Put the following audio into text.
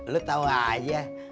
lo tau aja